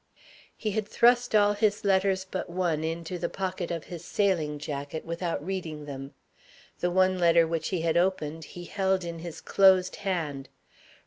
He had thrust all his letters but one into the pocket of his sailing jacket, without reading them. The one letter which he had opened he held in his closed hand.